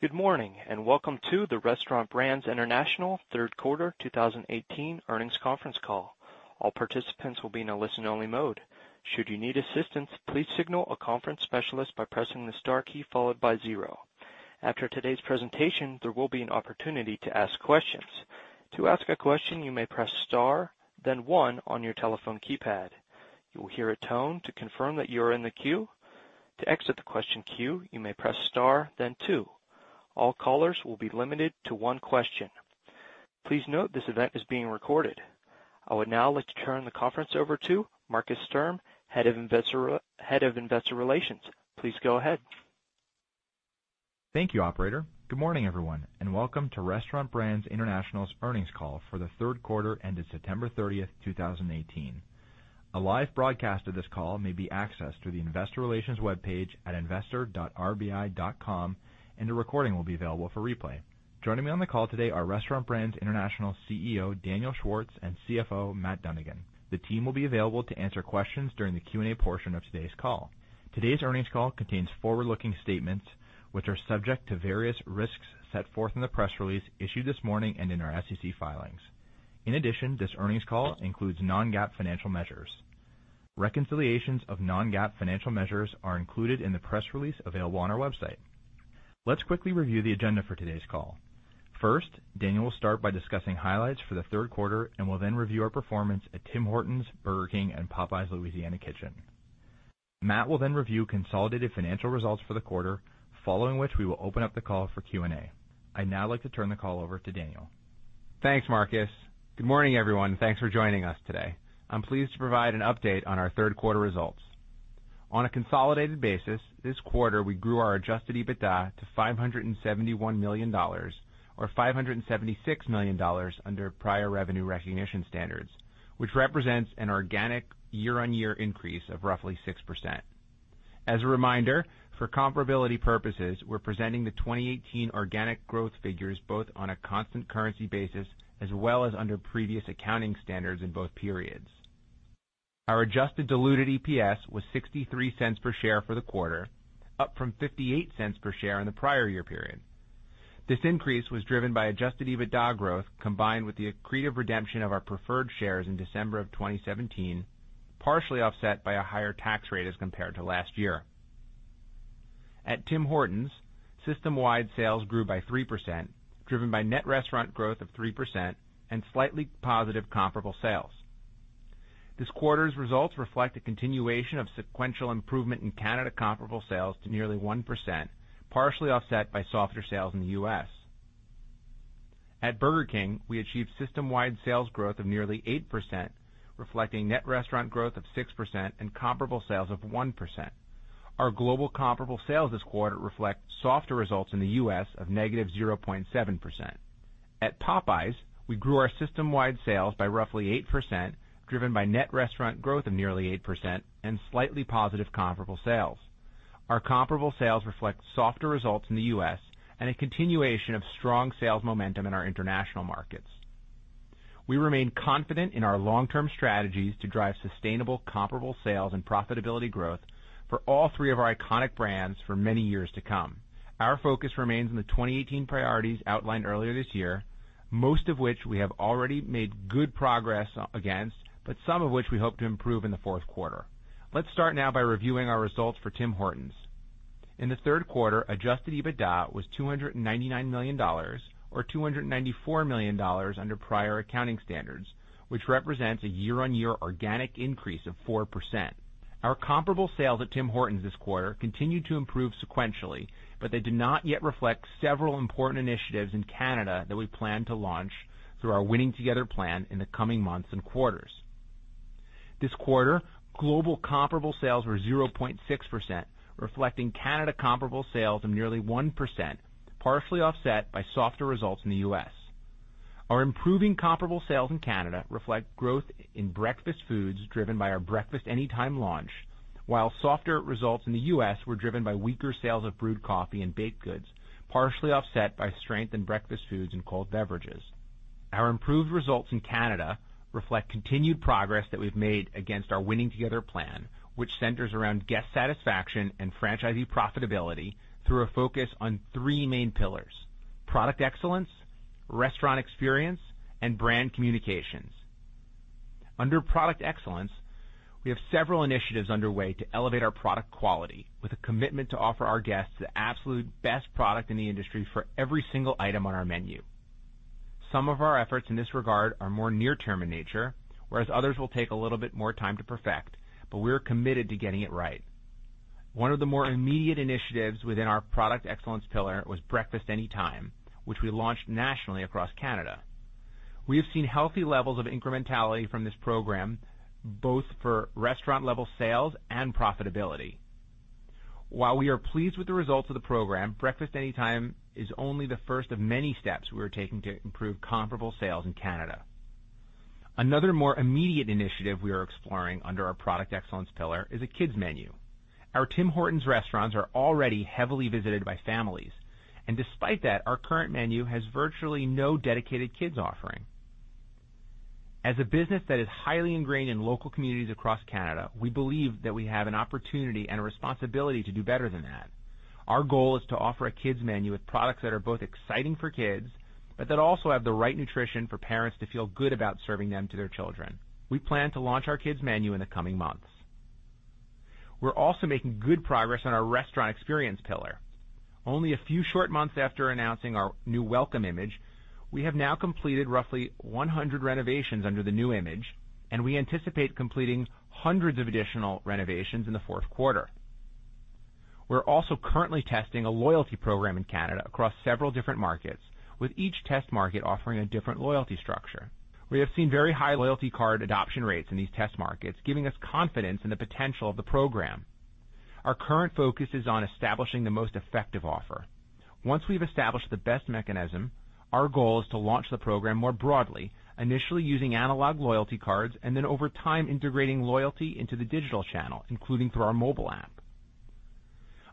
Good morning, and welcome to the Restaurant Brands International third quarter 2018 earnings conference call. All participants will be in a listen-only mode. Should you need assistance, please signal a conference specialist by pressing the star key followed by zero. After today's presentation, there will be an opportunity to ask questions. To ask a question, you may press star, then one on your telephone keypad. You will hear a tone to confirm that you are in the queue. To exit the question queue, you may press star, then two. All callers will be limited to one question. Please note this event is being recorded. I would now like to turn the conference over to Markus Sturm, Head of Investor Relations. Please go ahead. Thank you, operator. Good morning, everyone, and welcome to Restaurant Brands International's earnings call for the third quarter ended September 30th, 2018. A live broadcast of this call may be accessed through the investor relations webpage at investor.rbi.com, and a recording will be available for replay. Joining me on the call today are Restaurant Brands International CEO, Daniel Schwartz, and CFO, Matthew Dunnigan. The team will be available to answer questions during the Q&A portion of today's call. Today's earnings call contains forward-looking statements, which are subject to various risks set forth in the press release issued this morning and in our SEC filings. In addition, this earnings call includes non-GAAP financial measures. Reconciliations of non-GAAP financial measures are included in the press release available on our website. Let's quickly review the agenda for today's call. First, Daniel will start by discussing highlights for the third quarter and will then review our performance at Tim Hortons, Burger King, and Popeyes Louisiana Kitchen. Matt will then review consolidated financial results for the quarter, following which we will open up the call for Q&A. I'd now like to turn the call over to Daniel. Thanks, Markus. Good morning, everyone, and thanks for joining us today. I'm pleased to provide an update on our third quarter results. On a consolidated basis, this quarter, we grew our adjusted EBITDA to $571 million, or $576 million under prior revenue recognition standards, which represents an organic year-on-year increase of roughly 6%. As a reminder, for comparability purposes, we're presenting the 2018 organic growth figures both on a constant currency basis as well as under previous accounting standards in both periods. Our adjusted diluted EPS was $0.63 per share for the quarter, up from $0.58 per share in the prior year period. This increase was driven by adjusted EBITDA growth combined with the accretive redemption of our preferred shares in December of 2017, partially offset by a higher tax rate as compared to last year. At Tim Hortons, system-wide sales grew by 3%, driven by net restaurant growth of 3% and slightly positive comparable sales. This quarter's results reflect a continuation of sequential improvement in Canada comparable sales to nearly 1%, partially offset by softer sales in the U.S. At Burger King, we achieved system-wide sales growth of nearly 8%, reflecting net restaurant growth of 6% and comparable sales of 1%. Our global comparable sales this quarter reflect softer results in the U.S. of negative 0.7%. At Popeyes, we grew our system-wide sales by roughly 8%, driven by net restaurant growth of nearly 8% and slightly positive comparable sales. Our comparable sales reflect softer results in the U.S. and a continuation of strong sales momentum in our international markets. We remain confident in our long-term strategies to drive sustainable comparable sales and profitability growth for all three of our iconic brands for many years to come. Our focus remains on the 2018 priorities outlined earlier this year, most of which we have already made good progress against, but some of which we hope to improve in the fourth quarter. Let's start now by reviewing our results for Tim Hortons. In the third quarter, adjusted EBITDA was $299 million, or $294 million under prior accounting standards, which represents a year-on-year organic increase of 4%. Our comparable sales at Tim Hortons this quarter continued to improve sequentially, but they do not yet reflect several important initiatives in Canada that we plan to launch through our Winning Together plan in the coming months and quarters. This quarter, global comparable sales were 0.6%, reflecting Canada comparable sales of nearly 1%, partially offset by softer results in the U.S. Our improving comparable sales in Canada reflect growth in breakfast foods driven by our Breakfast Anytime launch, while softer results in the U.S. were driven by weaker sales of brewed coffee and baked goods, partially offset by strength in breakfast foods and cold beverages. Our improved results in Canada reflect continued progress that we've made against our Winning Together plan, which centers around guest satisfaction and franchisee profitability through a focus on three main pillars: product excellence, restaurant experience, and brand communications. Under product excellence, we have several initiatives underway to elevate our product quality with a commitment to offer our guests the absolute best product in the industry for every single item on our menu. Some of our efforts in this regard are more near-term in nature, whereas others will take a little bit more time to perfect, but we're committed to getting it right. One of the more immediate initiatives within our product excellence pillar was Breakfast Anytime, which we launched nationally across Canada. We have seen healthy levels of incrementality from this program, both for restaurant-level sales and profitability. While we are pleased with the results of the program, Breakfast Anytime is only the first of many steps we are taking to improve comparable sales in Canada. Another more immediate initiative we are exploring under our product excellence pillar is a kids menu. Our Tim Hortons restaurants are already heavily visited by families. Despite that, our current menu has virtually no dedicated kids offering. As a business that is highly ingrained in local communities across Canada, we believe that we have an opportunity and a responsibility to do better than that. Our goal is to offer a kids menu with products that are both exciting for kids, but that also have the right nutrition for parents to feel good about serving them to their children. We plan to launch our kids menu in the coming months. We are also making good progress on our restaurant experience pillar. Only a few short months after announcing our new welcome image, we have now completed roughly 100 renovations under the new image, and we anticipate completing hundreds of additional renovations in the fourth quarter. We are also currently testing a loyalty program in Canada across several different markets, with each test market offering a different loyalty structure. We have seen very high loyalty card adoption rates in these test markets, giving us confidence in the potential of the program. Our current focus is on establishing the most effective offer. Once we have established the best mechanism, our goal is to launch the program more broadly, initially using analog loyalty cards. Then over time, integrating loyalty into the digital channel, including through our mobile app.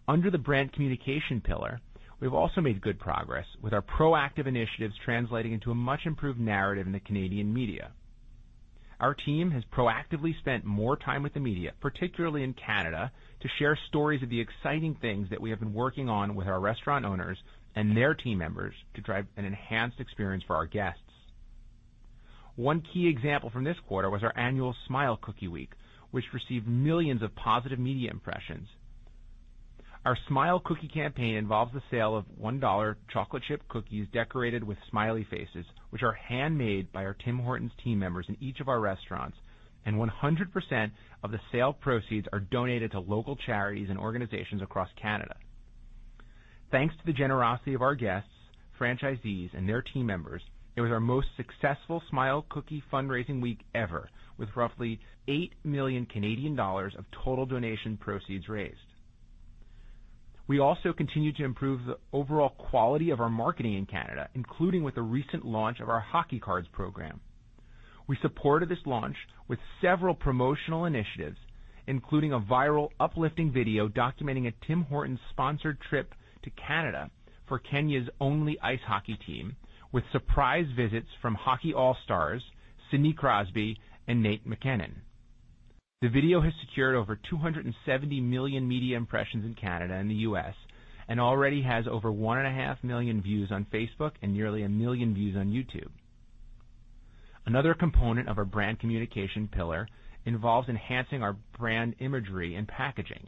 Under the brand communication pillar, we have also made good progress, with our proactive initiatives translating into a much-improved narrative in the Canadian media. Our team has proactively spent more time with the media, particularly in Canada, to share stories of the exciting things that we have been working on with our restaurant owners and their team members to drive an enhanced experience for our guests. One key example from this quarter was our annual Smile Cookie Week, which received millions of positive media impressions. Our Smile Cookie campaign involves the sale of $1 chocolate chip cookies decorated with smiley faces, which are handmade by our Tim Hortons' team members in each of our restaurants. 100% of the sale proceeds are donated to local charities and organizations across Canada. Thanks to the generosity of our guests, franchisees, and their team members, it was our most successful Smile Cookie fundraising week ever, with roughly 8 million Canadian dollars of total donation proceeds raised. We also continue to improve the overall quality of our marketing in Canada, including with the recent launch of our hockey cards program. We supported this launch with several promotional initiatives, including a viral uplifting video documenting a Tim Hortons-sponsored trip to Canada for Kenya's only ice hockey team, with surprise visits from hockey all-stars Sidney Crosby and Nathan MacKinnon. The video has secured over 270 million media impressions in Canada and the U.S. and already has over 1.5 million views on Facebook and nearly 1 million views on YouTube. Another component of our brand communication pillar involves enhancing our brand imagery and packaging.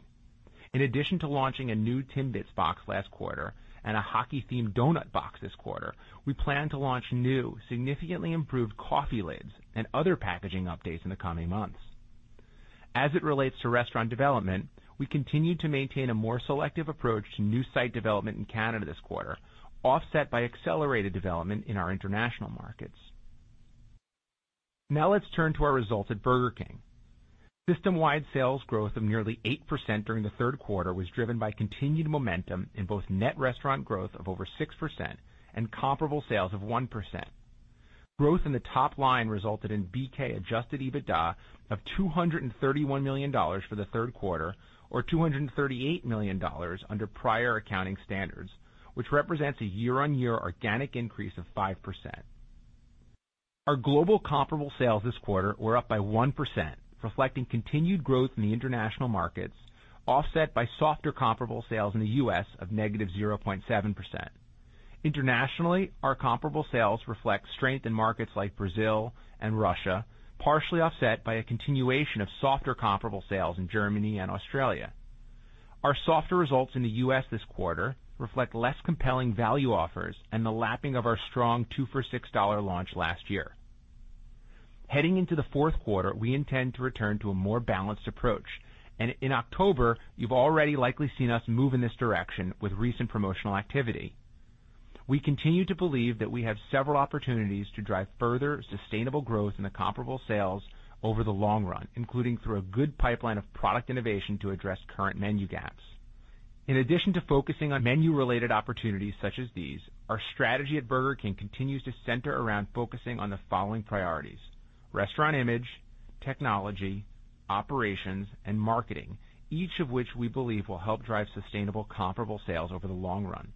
In addition to launching a new Timbits box last quarter and a hockey-themed doughnut box this quarter, we plan to launch new, significantly improved coffee lids and other packaging updates in the coming months. As it relates to restaurant development, we continue to maintain a more selective approach to new site development in Canada this quarter, offset by accelerated development in our international markets. Now let's turn to our results at Burger King. System-wide sales growth of nearly 8% during the third quarter was driven by continued momentum in both net restaurant growth of over 6% and comparable sales of 1%. Growth in the top line resulted in BK adjusted EBITDA of $231 million for the third quarter, or $238 million under prior accounting standards, which represents a year-on-year organic increase of 5%. Our global comparable sales this quarter were up by 1%, reflecting continued growth in the international markets, offset by softer comparable sales in the U.S. of negative 0.7%. Internationally, our comparable sales reflect strength in markets like Brazil and Russia, partially offset by a continuation of softer comparable sales in Germany and Australia. Our softer results in the U.S. this quarter reflect less compelling value offers and the lapping of our strong two for $6 launch last year. Heading into the fourth quarter, we intend to return to a more balanced approach, and in October, you've already likely seen us move in this direction with recent promotional activity. We continue to believe that we have several opportunities to drive further sustainable growth in the comparable sales over the long run, including through a good pipeline of product innovation to address current menu gaps. In addition to focusing on menu-related opportunities such as these, our strategy at Burger King continues to center around focusing on the following priorities: restaurant image, technology, operations, and marketing, each of which we believe will help drive sustainable comparable sales over the long run.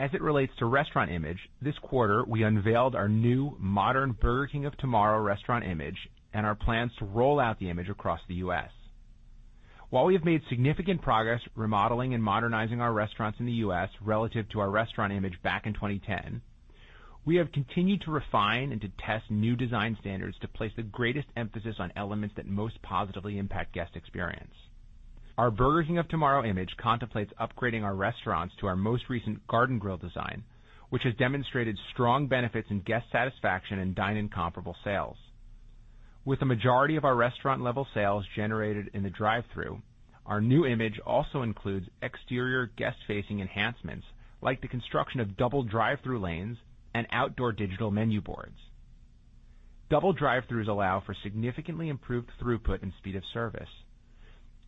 As it relates to restaurant image, this quarter, we unveiled our new modern Burger King of Tomorrow restaurant image and our plans to roll out the image across the U.S. While we have made significant progress remodeling and modernizing our restaurants in the U.S. relative to our restaurant image back in 2010, we have continued to refine and to test new design standards to place the greatest emphasis on elements that most positively impact guest experience. Our Burger King of Tomorrow image contemplates upgrading our restaurants to our most recent Garden Grill design, which has demonstrated strong benefits in guest satisfaction and dine-in comparable sales. With a majority of our restaurant level sales generated in the drive-thru, our new image also includes exterior guest-facing enhancements, like the construction of double drive-thru lanes and outdoor digital menu boards. Double drive-thrus allow for significantly improved throughput and speed of service.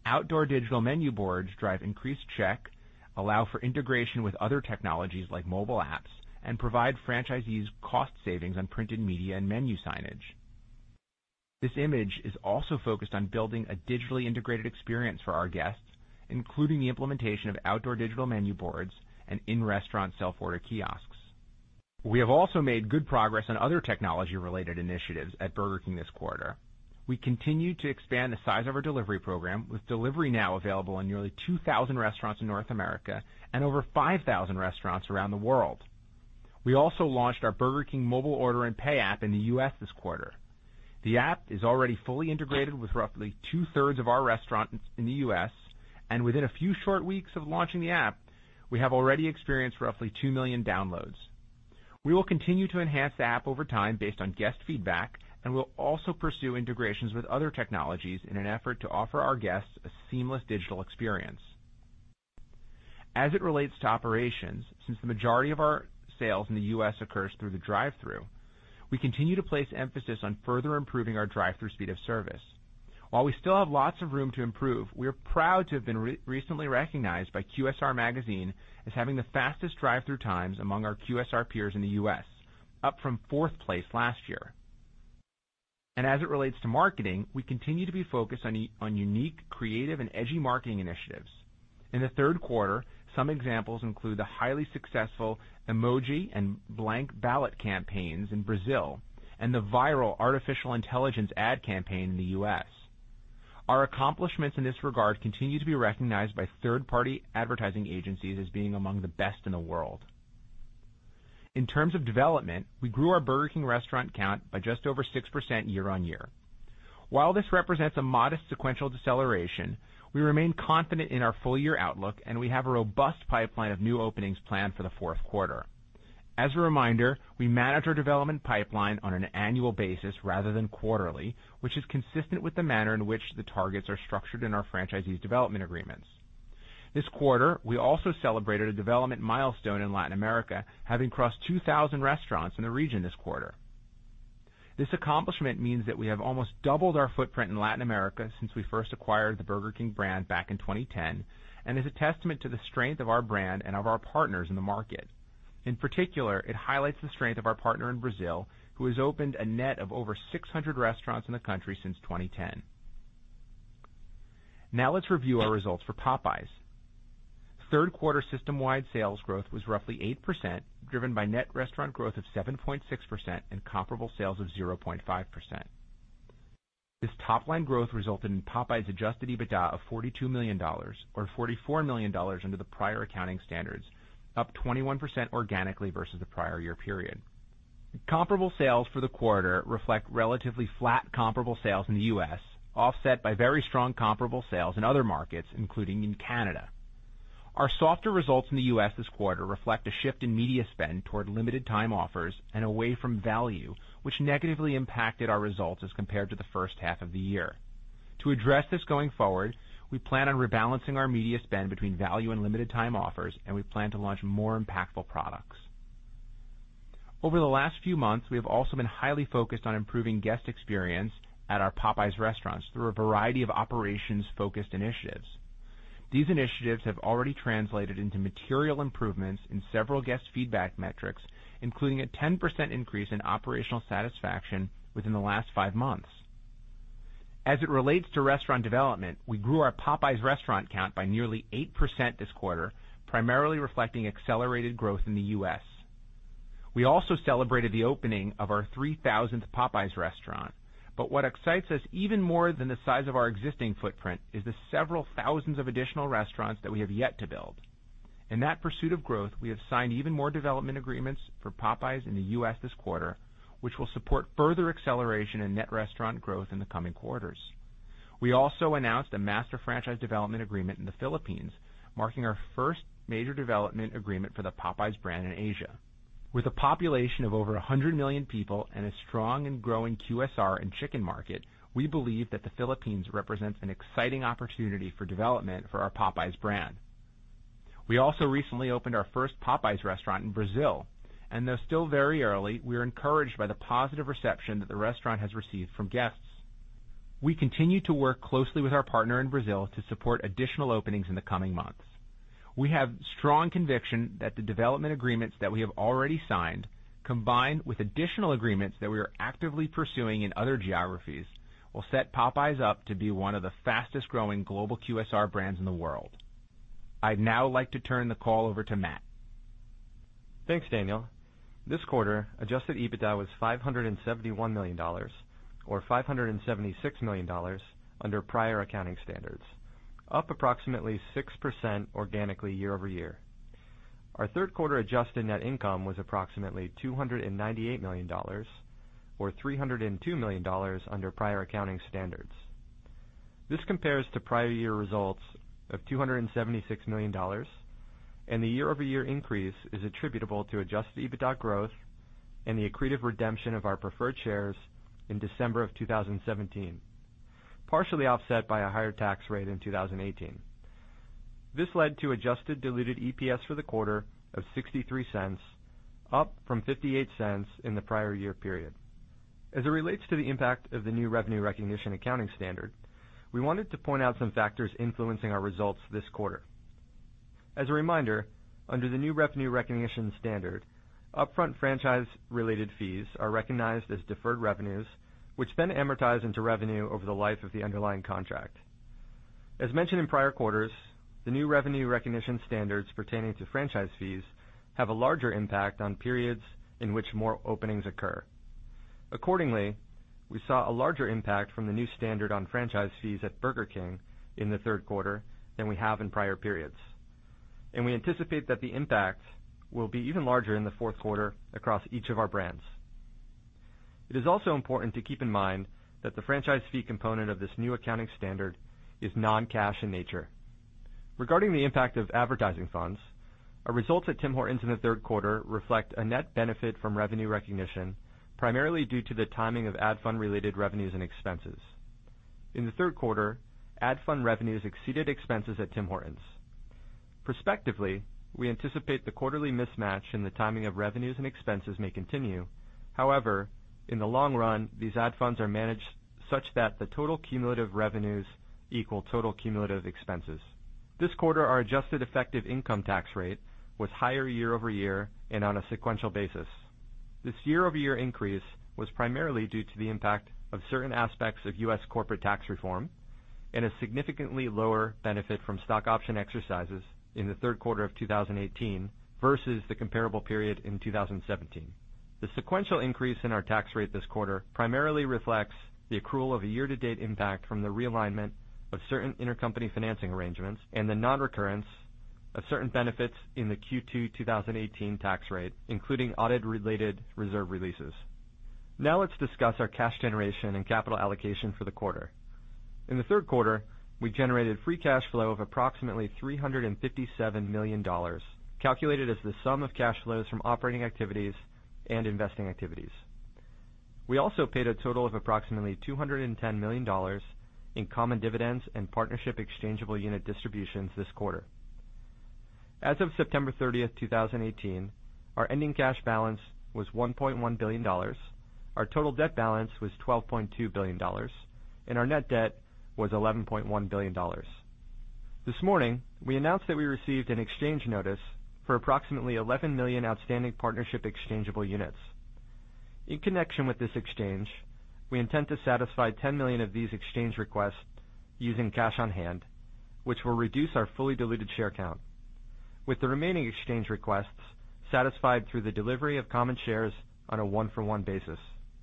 Outdoor digital menu boards drive increased check, allow for integration with other technologies like mobile apps, and provide franchisees cost savings on printed media and menu signage. This image is also focused on building a digitally integrated experience for our guests, including the implementation of outdoor digital menu boards and in-restaurant self-order kiosks. We have also made good progress on other technology-related initiatives at Burger King this quarter. We continue to expand the size of our delivery program, with delivery now available in nearly 2,000 restaurants in North America and over 5,000 restaurants around the world. We also launched our Burger King mobile order and pay app in the U.S. this quarter. The app is already fully integrated with roughly two-thirds of our restaurants in the U.S., and within a few short weeks of launching the app, we have already experienced roughly 2 million downloads. We will continue to enhance the app over time based on guest feedback and will also pursue integrations with other technologies in an effort to offer our guests a seamless digital experience. As it relates to operations, since the majority of our sales in the U.S. occurs through the drive-thru, we continue to place emphasis on further improving our drive-thru speed of service. While we still have lots of room to improve, we are proud to have been recently recognized by QSR Magazine as having the fastest drive-thru times among our QSR peers in the U.S., up from fourth place last year. As it relates to marketing, we continue to be focused on unique, creative, and edgy marketing initiatives. In the third quarter, some examples include the highly successful emoji and blank ballot campaigns in Brazil and the viral artificial intelligence ad campaign in the U.S. Our accomplishments in this regard continue to be recognized by third-party advertising agencies as being among the best in the world. In terms of development, we grew our Burger King restaurant count by just over 6% year-on-year. While this represents a modest sequential deceleration, we remain confident in our full-year outlook, and we have a robust pipeline of new openings planned for the fourth quarter. As a reminder, we manage our development pipeline on an annual basis rather than quarterly, which is consistent with the manner in which the targets are structured in our franchisees' development agreements. This quarter, we also celebrated a development milestone in Latin America, having crossed 2,000 restaurants in the region this quarter. This accomplishment means that we have almost doubled our footprint in Latin America since we first acquired the Burger King brand back in 2010 and is a testament to the strength of our brand and of our partners in the market. In particular, it highlights the strength of our partner in Brazil, who has opened a net of over 600 restaurants in the country since 2010. Now let's review our results for Popeyes. Third-quarter system-wide sales growth was roughly 8%, driven by net restaurant growth of 7.6% and comparable sales of 0.5%. This top-line growth resulted in Popeyes' adjusted EBITDA of $42 million, or $44 million under the prior accounting standards, up 21% organically versus the prior year period. Comparable sales for the quarter reflect relatively flat comparable sales in the U.S., offset by very strong comparable sales in other markets, including in Canada. Our softer results in the U.S. this quarter reflect a shift in media spend toward limited time offers and away from value, which negatively impacted our results as compared to the first half of the year. To address this going forward, we plan on rebalancing our media spend between value and limited time offers, and we plan to launch more impactful products. Over the last few months, we have also been highly focused on improving guest experience at our Popeyes restaurants through a variety of operations-focused initiatives. These initiatives have already translated into material improvements in several guest feedback metrics, including a 10% increase in operational satisfaction within the last five months. As it relates to restaurant development, we grew our Popeyes restaurant count by nearly 8% this quarter, primarily reflecting accelerated growth in the U.S. We also celebrated the opening of our 3,000th Popeyes restaurant, but what excites us even more than the size of our existing footprint is the several thousands of additional restaurants that we have yet to build. In that pursuit of growth, we have signed even more development agreements for Popeyes in the U.S. this quarter, which will support further acceleration in net restaurant growth in the coming quarters. We also announced a master franchise development agreement in the Philippines, marking our first major development agreement for the Popeyes brand in Asia. With a population of over 100 million people and a strong and growing QSR and chicken market, we believe that the Philippines represents an exciting opportunity for development for our Popeyes brand. We also recently opened our first Popeyes restaurant in Brazil, and though still very early, we are encouraged by the positive reception that the restaurant has received from guests. We continue to work closely with our partner in Brazil to support additional openings in the coming months. We have strong conviction that the development agreements that we have already signed, combined with additional agreements that we are actively pursuing in other geographies, will set Popeyes up to be one of the fastest-growing global QSR brands in the world. I'd now like to turn the call over to Matt. Thanks, Daniel. This quarter, adjusted EBITDA was $571 million, or $576 million under prior accounting standards, up approximately 6% organically year-over-year. Our third quarter adjusted net income was approximately $298 million, or $302 million under prior accounting standards. This compares to prior year results of $276 million, and the year-over-year increase is attributable to adjusted EBITDA growth and the accretive redemption of our preferred shares in December of 2017, partially offset by a higher tax rate in 2018. This led to adjusted diluted EPS for the quarter of $0.63, up from $0.58 in the prior year period. As it relates to the impact of the new revenue recognition accounting standard, we wanted to point out some factors influencing our results this quarter. As a reminder, under the new revenue recognition standard, upfront franchise related fees are recognized as deferred revenues, which then amortize into revenue over the life of the underlying contract. As mentioned in prior quarters, the new revenue recognition standards pertaining to franchise fees have a larger impact on periods in which more openings occur. Accordingly, we saw a larger impact from the new standard on franchise fees at Burger King in the third quarter than we have in prior periods, and we anticipate that the impact will be even larger in the fourth quarter across each of our brands. It is also important to keep in mind that the franchise fee component of this new accounting standard is non-cash in nature. Regarding the impact of advertising funds, our results at Tim Hortons in the third quarter reflect a net benefit from revenue recognition, primarily due to the timing of ad fund related revenues and expenses. In the third quarter, ad fund revenues exceeded expenses at Tim Hortons. Prospectively, we anticipate the quarterly mismatch in the timing of revenues and expenses may continue. In the long run, these ad funds are managed such that the total cumulative revenues equal total cumulative expenses. This quarter, our adjusted effective income tax rate was higher year-over-year and on a sequential basis. This year-over-year increase was primarily due to the impact of certain aspects of U.S. corporate tax reform and a significantly lower benefit from stock option exercises in the third quarter of 2018 versus the comparable period in 2017. The sequential increase in our tax rate this quarter primarily reflects the accrual of a year-to-date impact from the realignment of certain intercompany financing arrangements and the non-recurrence of certain benefits in the Q2 2018 tax rate, including audit related reserve releases. Let's discuss our cash generation and capital allocation for the quarter. In the third quarter, we generated free cash flow of approximately $357 million, calculated as the sum of cash flows from operating activities and investing activities. We also paid a total of approximately $210 million in common dividends and partnership exchangeable unit distributions this quarter. As of September 30th, 2018, our ending cash balance was $1.1 billion. Our total debt balance was $12.2 billion, and our net debt was $11.1 billion. This morning, we announced that we received an exchange notice for approximately 11 million outstanding partnership exchangeable units. In connection with this exchange, we intend to satisfy 10 million of these exchange requests using cash on hand, which will reduce our fully diluted share count with the remaining exchange requests satisfied through the delivery of common shares on a one-for-one basis.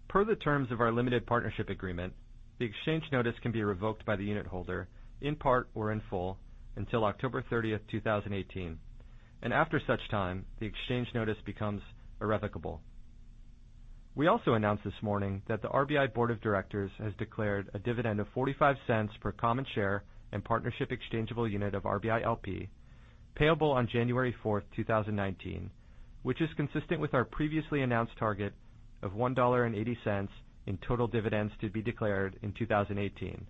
Per the terms of our limited partnership agreement, the exchange notice can be revoked by the unitholder in part or in full until October 30th, 2018, and after such time, the exchange notice becomes irrevocable. We also announced this morning that the RBI board of directors has declared a dividend of $0.45 per common share and partnership exchangeable unit of RBI LP payable on January 4th, 2019, which is consistent with our previously announced target of $1.80 in total dividends to be declared in 2018.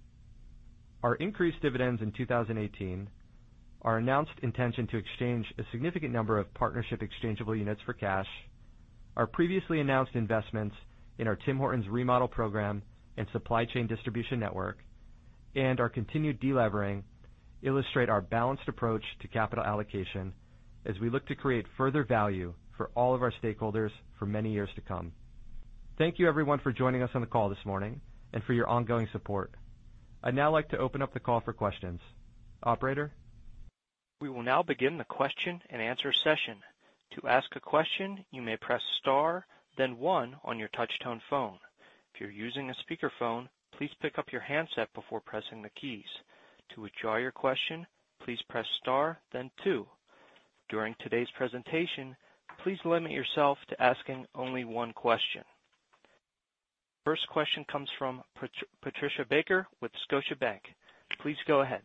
Our increased dividends in 2018, our announced intention to exchange a significant number of partnership exchangeable units for cash, our previously announced investments in our Tim Hortons remodel program and supply chain distribution network, and our continued de-levering illustrate our balanced approach to capital allocation as we look to create further value for all of our stakeholders for many years to come. Thank you everyone for joining us on the call this morning and for your ongoing support. I'd now like to open up the call for questions. Operator? We will now begin the question and answer session. To ask a question, you may press star then one on your touchtone phone. If you're using a speakerphone, please pick up your handset before pressing the keys. To withdraw your question, please press star then two. During today's presentation, please limit yourself to asking only one question. First question comes from Patricia Baker with Scotiabank. Please go ahead.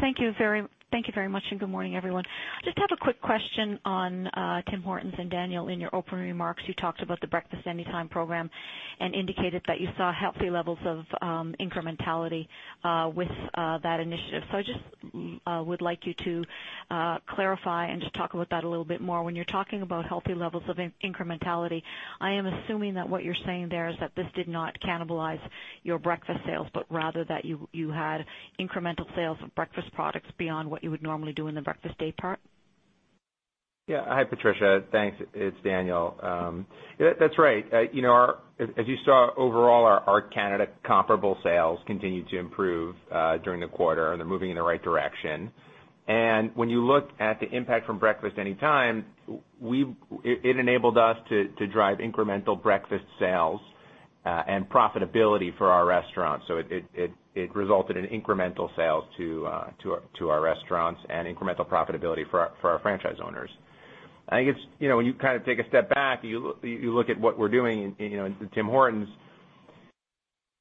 Thank you very much and good morning, everyone. Just have a quick question on Tim Hortons, and Daniel, in your opening remarks, you talked about the Breakfast Anytime program and indicated that you saw healthy levels of incrementality with that initiative. I just would like you to clarify and just talk about that a little bit more. When you're talking about healthy levels of incrementality, I am assuming that what you're saying there is that this did not cannibalize your breakfast sales, rather that you had incremental sales of breakfast products beyond what you would normally do in the breakfast day part. Yeah. Hi, Patricia. Thanks. It's Daniel. That's right. As you saw overall, our Canada comparable sales continued to improve during the quarter, and they're moving in the right direction. When you look at the impact from Breakfast Anytime, it enabled us to drive incremental breakfast sales and profitability for our restaurants. It resulted in incremental sales to our restaurants and incremental profitability for our franchise owners. I think when you kind of take a step back, you look at what we're doing in Tim Hortons,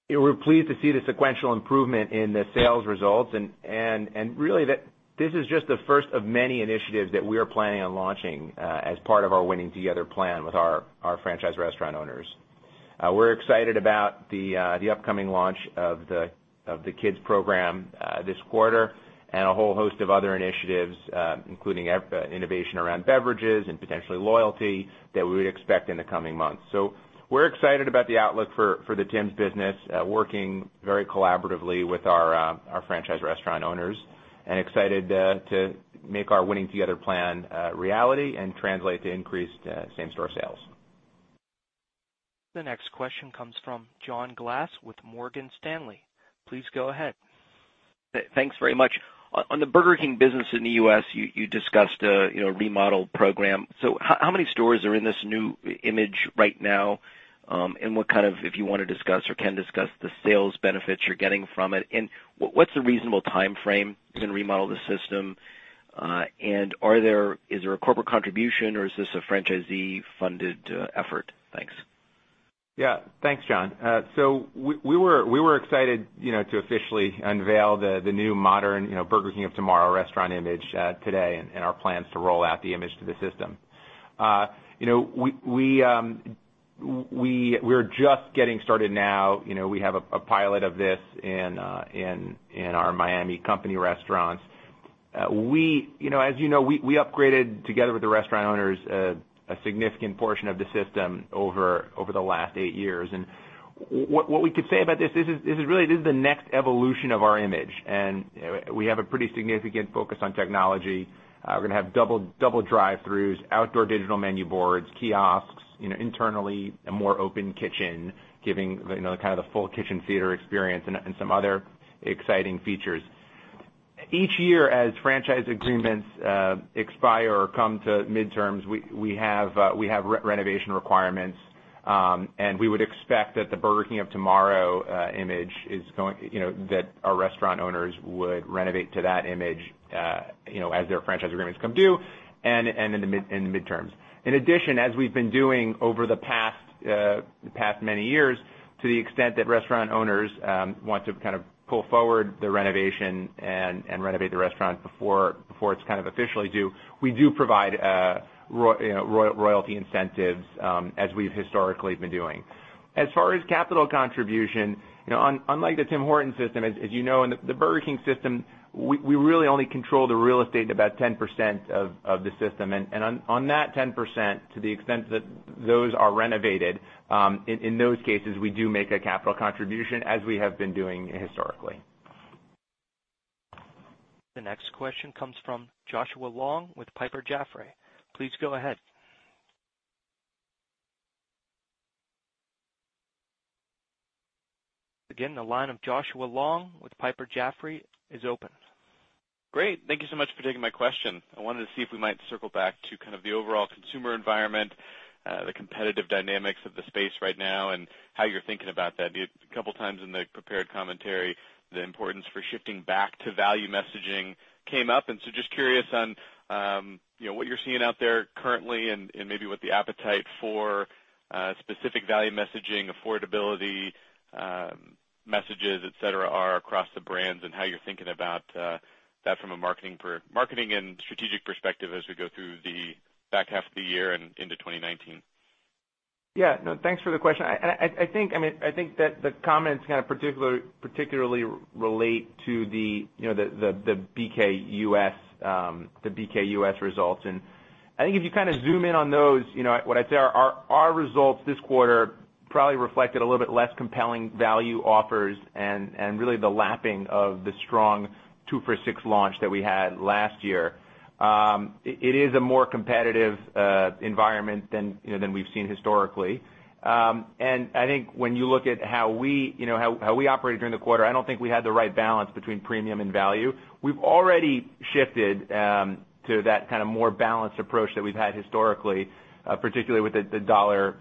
we're pleased to see the sequential improvement in the sales results and really that this is just the first of many initiatives that we are planning on launching as part of our Winning Together plan with our franchise restaurant owners. We're excited about the upcoming launch of the kids program this quarter and a whole host of other initiatives including innovation around beverages and potentially loyalty that we would expect in the coming months. We're excited about the outlook for the Tims business, working very collaboratively with our franchise restaurant owners and excited to make our Winning Together plan a reality and translate to increased same-store sales. The next question comes from John Glass with Morgan Stanley. Please go ahead. Thanks very much. On the Burger King business in the U.S., you discussed a remodel program. How many stores are in this new image right now? What kind of, if you want to discuss or can discuss, the sales benefits you're getting from it, what's a reasonable timeframe to remodel the system? Is there a corporate contribution or is this a franchisee-funded effort? Thanks. Thanks, John. We were excited to officially unveil the new modern Burger King of Tomorrow restaurant image today and our plans to roll out the image to the system. We're just getting started now. We have a pilot of this in our Miami company restaurants. As you know, we upgraded together with the restaurant owners, a significant portion of the system over the last eight years. What we could say about this is really, this is the next evolution of our image, we have a pretty significant focus on technology. We're going to have double drive-throughs, outdoor digital menu boards, kiosks, internally a more open kitchen, giving kind of the full kitchen theater experience and some other exciting features. Each year as franchise agreements expire or come to midterms, we have renovation requirements, we would expect that the Burger King of Tomorrow image that our restaurant owners would renovate to that image, as their franchise agreements come due and in the midterms. In addition, as we've been doing over the past many years, to the extent that restaurant owners want to kind of pull forward the renovation and renovate the restaurant before it's kind of officially due, we do provide royalty incentives, as we've historically been doing. As far as capital contribution, unlike the Tim Hortons system, as you know, in the Burger King system, we really only control the real estate in about 10% of the system. On that 10%, to the extent that those are renovated, in those cases, we do make a capital contribution as we have been doing historically. The next question comes from Joshua Long with Piper Jaffray. Please go ahead. Again, the line of Joshua Long with Piper Jaffray is open. Great. Thank you so much for taking my question. I wanted to see if we might circle back to kind of the overall consumer environment, the competitive dynamics of the space right now, and how you're thinking about that. A couple times in the prepared commentary, the importance for shifting back to value messaging came up. Just curious on what you're seeing out there currently and maybe what the appetite for specific value messaging, affordability messages, et cetera, are across the brands, and how you're thinking about that from a marketing and strategic perspective as we go through the back half of the year and into 2019. Yeah. No, thanks for the question. I think that the comments kind of particularly relate to the BK US results. I think if you kind of zoom in on those, what I'd say are our results this quarter probably reflected a little bit less compelling value offers and really the lapping of the strong 2 for $6 launch that we had last year. It is a more competitive environment than we've seen historically. I think when you look at how we operated during the quarter, I don't think we had the right balance between premium and value. We've already shifted to that kind of more balanced approach that we've had historically, particularly with the $1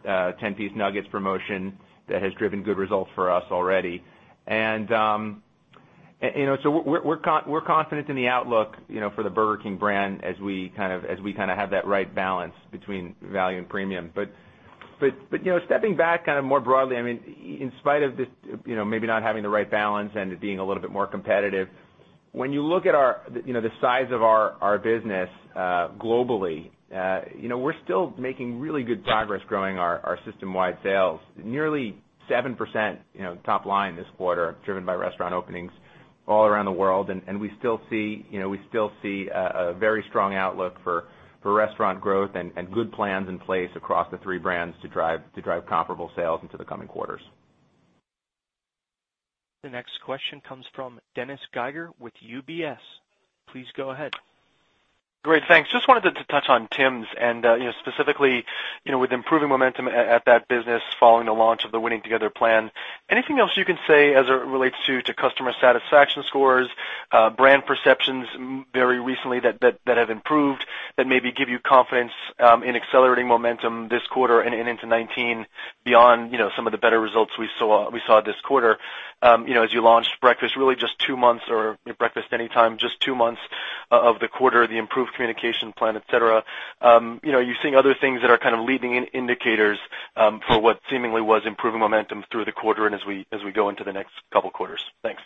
10-piece nuggets promotion that has driven good results for us already. We're confident in the outlook for the Burger King brand as we kind of have that right balance between value and premium. Stepping back kind of more broadly, in spite of this maybe not having the right balance and it being a little bit more competitive, when you look at the size of our business globally, we're still making really good progress growing our system-wide sales. Nearly 7% top line this quarter, driven by restaurant openings all around the world. We still see a very strong outlook for restaurant growth and good plans in place across the three brands to drive comparable sales into the coming quarters. The next question comes from Dennis Geiger with UBS. Please go ahead. Great. Thanks. Just wanted to touch on Tim's and, specifically, with improving momentum at that business following the launch of the Winning Together plan. Anything else you can say as it relates to customer satisfaction scores, brand perceptions very recently that have improved that maybe give you confidence in accelerating momentum this quarter and into 2019 beyond some of the better results we saw this quarter as you launched breakfast really just two months, or your Breakfast Anytime, just two months of the quarter, the improved communication plan, et cetera. You're seeing other things that are kind of leading indicators for what seemingly was improving momentum through the quarter and as we go into the next couple quarters. Thanks.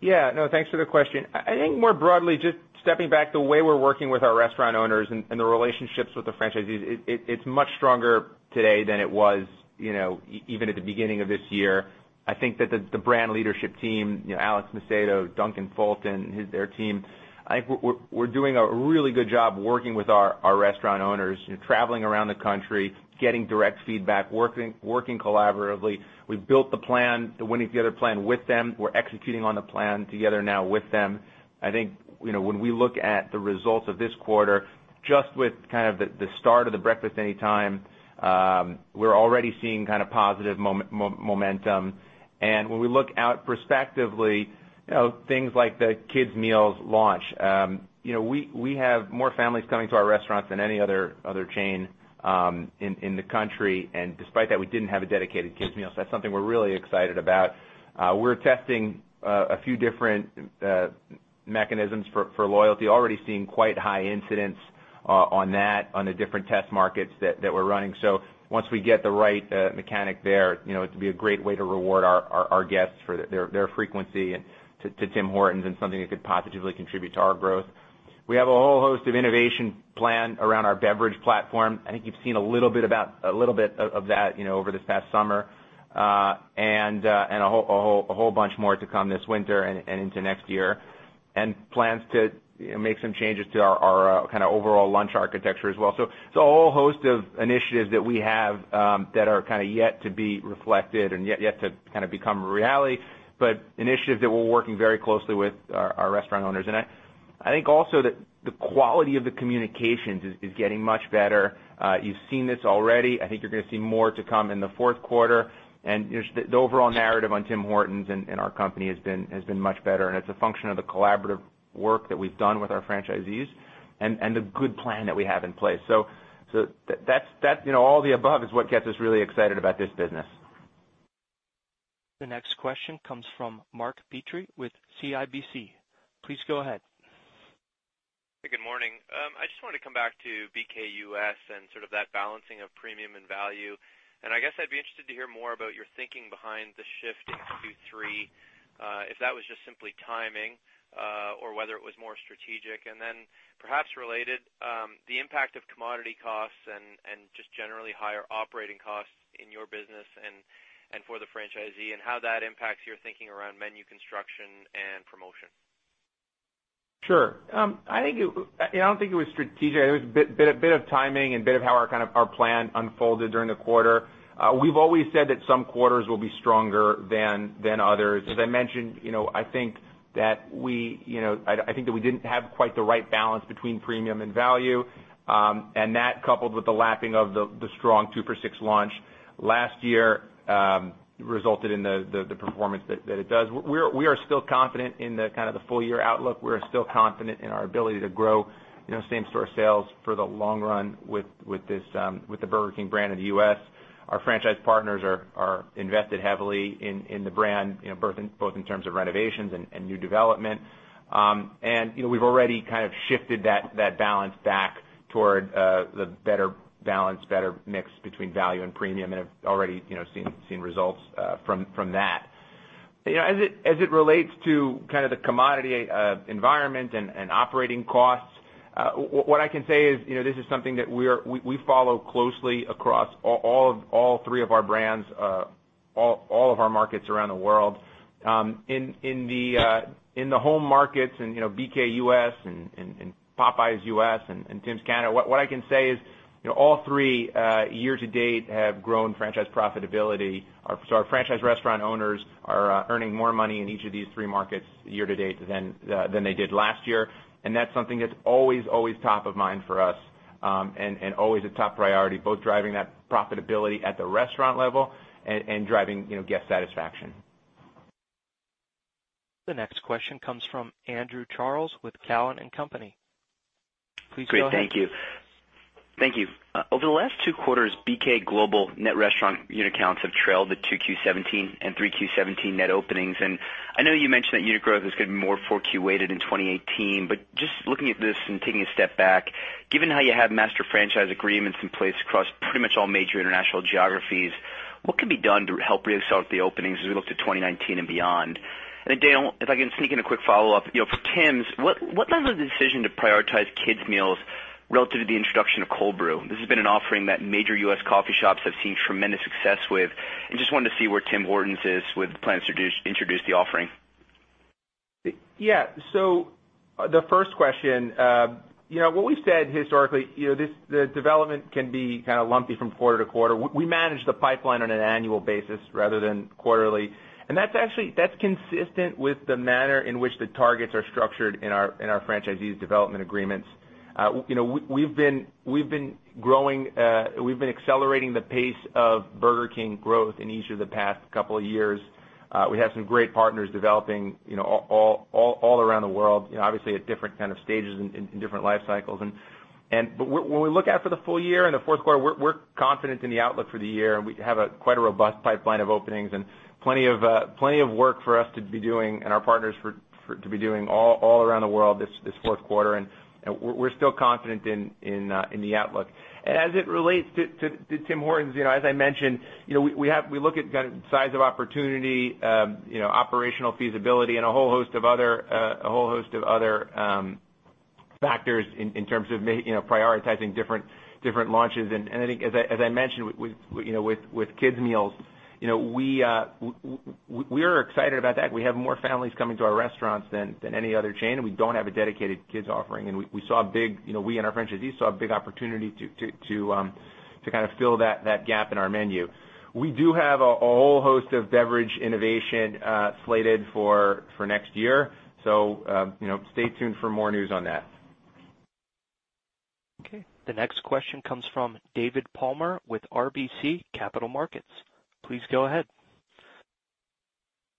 Yeah. No, thanks for the question. I think more broadly, just stepping back, the way we're working with our restaurant owners and the relationships with the franchisees, it's much stronger today than it was even at the beginning of this year. I think that the brand leadership team, Alex Macedo, Duncan Fulton, their team, I think we're doing a really good job working with our restaurant owners, traveling around the country, getting direct feedback, working collaboratively. We've built the plan, the Winning Together plan, with them. We're executing on the plan together now with them. I think when we look at the results of this quarter. Just with the start of the Breakfast Anytime, we're already seeing positive momentum. When we look out perspectively, things like the Kids Meals launch. We have more families coming to our restaurants than any other chain in the country, and despite that, we didn't have a dedicated kids meal, so that's something we're really excited about. We're testing a few different mechanisms for loyalty. Already seeing quite high incidents on that on the different test markets that we're running. Once we get the right mechanic there, it'd be a great way to reward our guests for their frequency to Tim Hortons and something that could positively contribute to our growth. We have a whole host of innovation plan around our beverage platform. I think you've seen a little bit of that over this past summer. A whole bunch more to come this winter and into next year, and plans to make some changes to our overall lunch architecture as well. A whole host of initiatives that we have, that are yet to be reflected and yet to become a reality, but initiatives that we're working very closely with our restaurant owners. I think also the quality of the communications is getting much better. You've seen this already. I think you're going to see more to come in the fourth quarter. Just the overall narrative on Tim Hortons and our company has been much better, and it's a function of the collaborative work that we've done with our franchisees and the good plan that we have in place. All the above is what gets us really excited about this business. The next question comes from Mark Petrie with CIBC. Please go ahead. Good morning. I just wanted to come back to BK US and sort of that balancing of premium and value. I guess I'd be interested to hear more about your thinking behind the shift into Q3, if that was just simply timing, or whether it was more strategic. Then perhaps related, the impact of commodity costs and just generally higher operating costs in your business and for the franchisee, and how that impacts your thinking around menu construction and promotion. Sure. I don't think it was strategic. It was a bit of timing and a bit of how our plan unfolded during the quarter. We've always said that some quarters will be stronger than others. As I mentioned, I think that we didn't have quite the right balance between premium and value. That coupled with the lapping of the strong 2 for $6 launch last year, resulted in the performance that it does. We are still confident in the full-year outlook. We're still confident in our ability to grow same store sales for the long run with the Burger King brand in the U.S. Our franchise partners are invested heavily in the brand, both in terms of renovations and new development. We've already kind of shifted that balance back toward the better balance, better mix between value and premium, and have already seen results from that. As it relates to the commodity environment and operating costs, what I can say is this is something that we follow closely across all three of our brands, all of our markets around the world. In the home markets, in BK US, in Popeyes US and Tim's Canada, what I can say is all three year-to-date have grown franchise profitability. Our franchise restaurant owners are earning more money in each of these three markets year-to-date than they did last year, and that is something that is always top of mind for us, and always a top priority, both driving that profitability at the restaurant level and driving guest satisfaction. The next question comes from Andrew Charles with Cowen and Company. Please go ahead. Great. Thank you. Thank you. Over the last two quarters, BK Global net restaurant unit counts have trailed the 2Q 2017 and 3Q 2017 net openings. I know you mentioned that unit growth is getting more 4Q-weighted in 2018. Just looking at this and taking a step back, given how you have master franchise agreements in place across pretty much all major international geographies, what can be done to help really start the openings as we look to 2019 and beyond? Daniel, if I can sneak in a quick follow-up. For Tim's, what led the decision to prioritize kids meals relative to the introduction of cold brew? This has been an offering that major U.S. coffee shops have seen tremendous success with, and just wanted to see where Tim Hortons is with plans to introduce the offering. Yeah. The first question, what we've said historically, the development can be kind of lumpy from quarter to quarter. We manage the pipeline on an annual basis rather than quarterly. That is consistent with the manner in which the targets are structured in our franchisees development agreements. We've been accelerating the pace of Burger King growth in each of the past couple of years. We have some great partners developing all around the world, obviously at different kind of stages in different life cycles. When we look out for the full year and the fourth quarter, we are confident in the outlook for the year, and we have quite a robust pipeline of openings and plenty of work for us to be doing and our partners to be doing all around the world this fourth quarter, and we are still confident in the outlook. As it relates to Tim Hortons, as I mentioned, we look at size of opportunity, operational feasibility, and a whole host of other factors in terms of prioritizing different launches. I think as I mentioned, with kids meals, we are excited about that. We have more families coming to our restaurants than any other chain, and we don't have a dedicated kids offering. We and our franchisees saw a big opportunity to fill that gap in our menu. We do have a whole host of beverage innovation slated for next year. Stay tuned for more news on that. Okay. The next question comes from David Palmer with RBC Capital Markets. Please go ahead.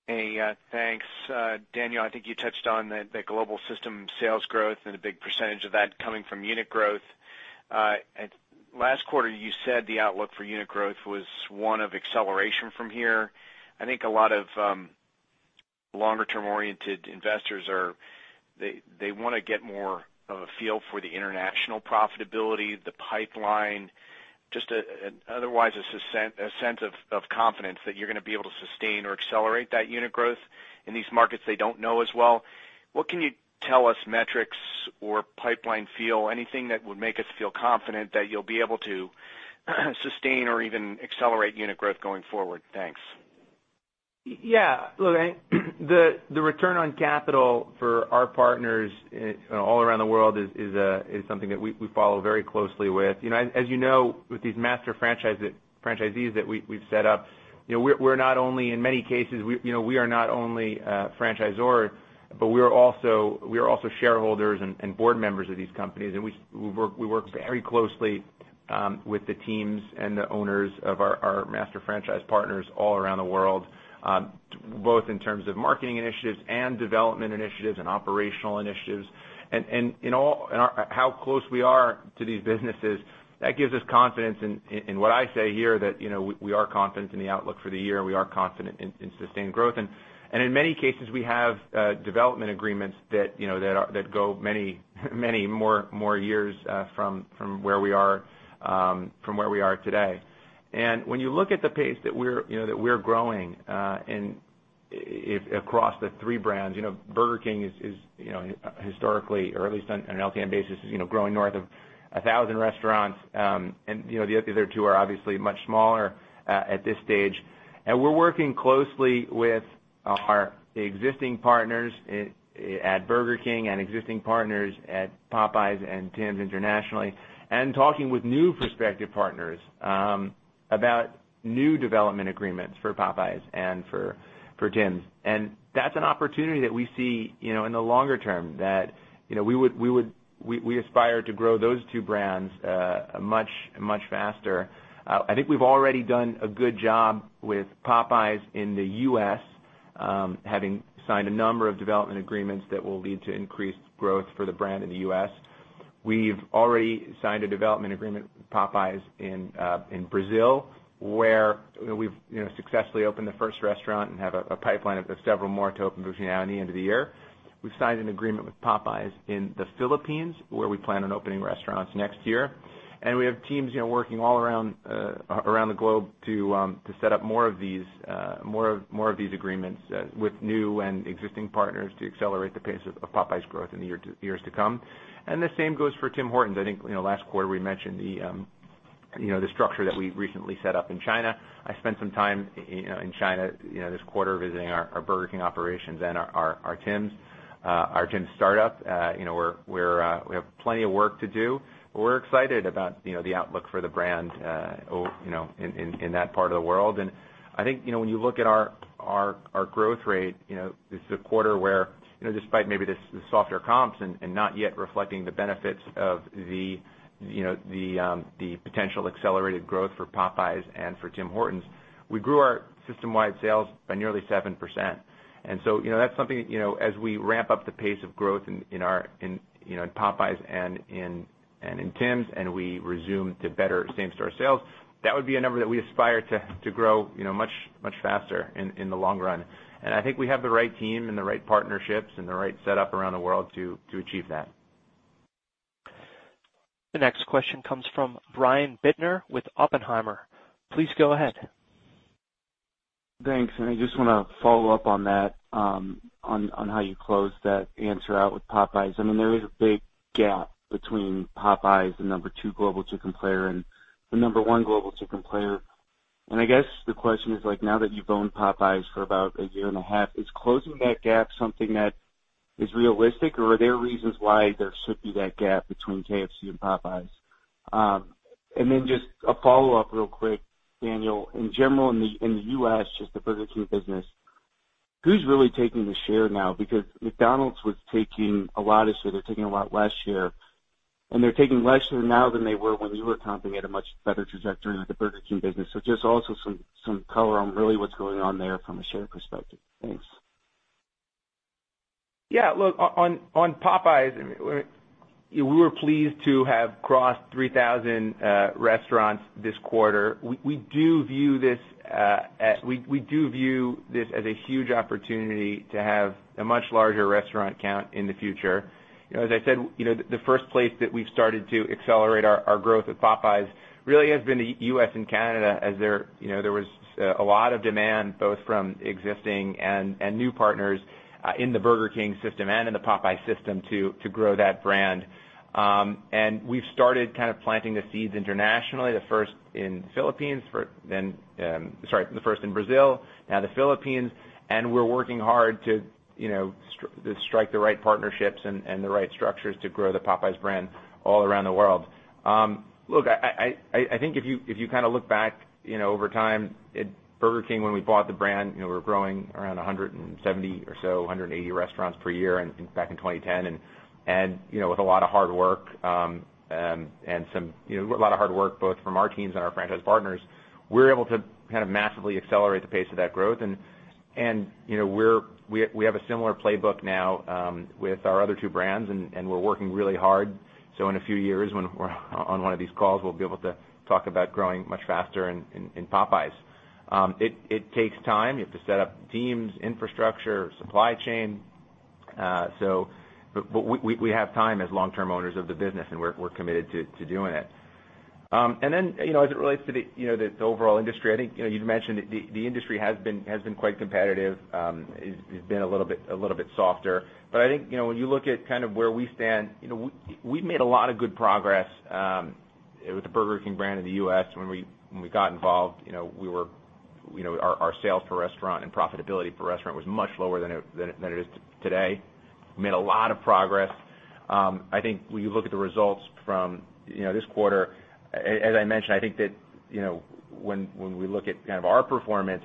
Hey, thanks. Daniel, I think you touched on the global system sales growth and a big percentage of that coming from unit growth. Last quarter, you said the outlook for unit growth was one of acceleration from here. I think a lot of longer term-oriented investors want to get more of a feel for the international profitability, the pipeline, just otherwise a sense of confidence that you're going to be able to sustain or accelerate that unit growth in these markets they don't know as well. What can you tell us, metrics or pipeline feel, anything that would make us feel confident that you'll be able to sustain or even accelerate unit growth going forward? Thanks. Yeah. Look, the return on capital for our partners all around the world is something that we follow very closely with. As you know, with these master franchisees that we've set up, in many cases, we are not only a franchisor, but we are also shareholders and board members of these companies. We work very closely with the teams and the owners of our master franchise partners all around the world, both in terms of marketing initiatives and development initiatives and operational initiatives. In how close we are to these businesses, that gives us confidence in what I say here, that we are confident in the outlook for the year. We are confident in sustained growth. In many cases, we have development agreements that go many more years from where we are today. When you look at the pace that we're growing, if across the three brands, Burger King is historically or at least on an LTM basis, growing north of 1,000 restaurants, the other two are obviously much smaller at this stage. We're working closely with our existing partners at Burger King and existing partners at Popeyes and Tim's internationally, and talking with new prospective partners about new development agreements for Popeyes and for Tim's. That's an opportunity that we see in the longer term that we aspire to grow those two brands much faster. I think we've already done a good job with Popeyes in the U.S., having signed a number of development agreements that will lead to increased growth for the brand in the U.S. We've already signed a development agreement with Popeyes in Brazil, where we've successfully opened the first restaurant and have a pipeline of several more to open before the end of the year. We've already signed a development agreement with Popeyes in the Philippines, where we plan on opening restaurants next year. We have teams working all around the globe to set up more of these agreements with new and existing partners to accelerate the pace of Popeyes growth in the years to come. The same goes for Tim Hortons. I think last quarter we mentioned the structure that we recently set up in China. I spent some time in China this quarter visiting our Burger King operations and our Tim's startup. We have plenty of work to do. We're excited about the outlook for the brand in that part of the world. I think when you look at our growth rate, this is a quarter where despite maybe the softer comps and not yet reflecting the benefits of the potential accelerated growth for Popeyes and for Tim Hortons, we grew our system-wide sales by nearly 7%. That's something as we ramp up the pace of growth in Popeyes and in Tim's, we resume to better same-store sales, that would be a number that we aspire to grow much faster in the long run. I think we have the right team and the right partnerships and the right setup around the world to achieve that. The next question comes from Brian Bittner with Oppenheimer. Please go ahead. Thanks. I just want to follow up on that, on how you closed that answer out with Popeyes. There is a big gap between Popeyes, the number two global chicken player, and the number one global chicken player. I guess the question is now that you've owned Popeyes for about a year and a half, is closing that gap something that is realistic, or are there reasons why there should be that gap between KFC and Popeyes? Then just a follow-up real quick, Daniel. In general, in the U.S., just the Burger King business, who's really taking the share now? Because McDonald's was taking a lot of share. They're taking a lot less share, and they're taking less share now than they were when you were comping at a much better trajectory with the Burger King business. Just also some color on really what's going on there from a share perspective. Thanks. Look, on Popeyes, we were pleased to have crossed 3,000 restaurants this quarter. We do view this as a huge opportunity to have a much larger restaurant count in the future. As I said, the first place that we've started to accelerate our growth at Popeyes really has been the U.S. and Canada, as there was a lot of demand, both from existing and new partners in the Burger King system and in the Popeyes system to grow that brand. We've started kind of planting the seeds internationally, the first in Brazil, now the Philippines, and we're working hard to strike the right partnerships and the right structures to grow the Popeyes brand all around the world. Look, I think if you look back over time, Burger King, when we bought the brand, we were growing around 170 or so, 180 restaurants per year back in 2010. With a lot of hard work, both from our teams and our franchise partners, we were able to massively accelerate the pace of that growth. We have a similar playbook now with our other two brands, and we're working really hard. In a few years, when we're on one of these calls, we'll be able to talk about growing much faster in Popeyes. It takes time. You have to set up teams, infrastructure, supply chain. We have time as long-term owners of the business, and we're committed to doing it. Then, as it relates to the overall industry, I think you'd mentioned the industry has been quite competitive. It's been a little bit softer. But I think when you look at where we stand, we've made a lot of good progress with the Burger King brand in the U.S. When we got involved, our sales per restaurant and profitability per restaurant was much lower than it is today. We made a lot of progress. When you look at the results from this quarter, as I mentioned, when we look at our performance,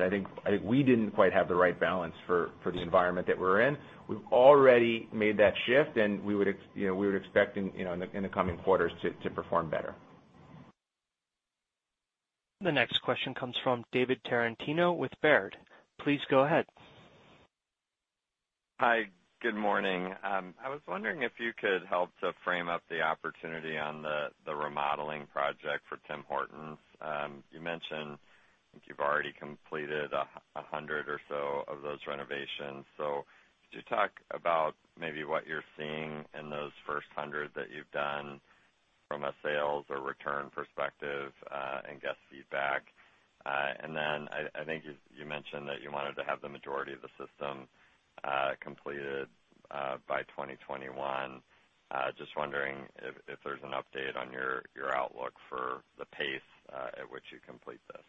we didn't quite have the right balance for the environment that we're in. We've already made that shift. We would expect in the coming quarters to perform better. The next question comes from David Tarantino with Baird. Please go ahead. Hi. Good morning. I was wondering if you could help to frame up the opportunity on the remodeling project for Tim Hortons. You mentioned you've already completed 100 or so of those renovations. Could you talk about maybe what you're seeing in those first 100 that you've done from a sales or return perspective, and guest feedback? You mentioned that you wanted to have the majority of the system completed by 2021. I was just wondering if there's an update on your outlook for the pace at which you complete this.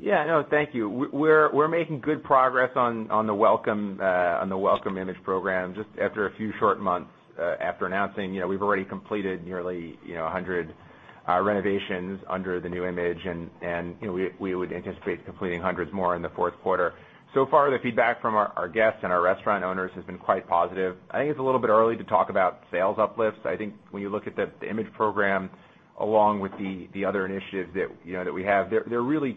Yeah. No, thank you. We're making good progress on the Welcome Image Program. Just after a few short months after announcing, we've already completed nearly 100 renovations under the new image. We would anticipate completing hundreds more in the fourth quarter. So far, the feedback from our guests and our restaurant owners has been quite positive. It's a little bit early to talk about sales uplifts. When you look at the image program, along with the other initiatives that we have, they're really